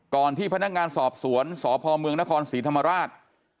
ก่อนที่พนักงานสอบสวนสอบภอมเมืองนครศรีธรรมราช